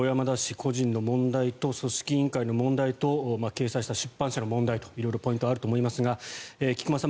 個人の問題と組織委員会の問題と掲載した出版社の問題と色々ポイントはあると思いますが菊間さん